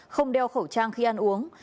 không đeo khẩu trang khi ăn uống